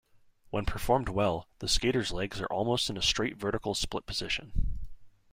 When performed well, the skater's legs are almost in a straight vertical split position.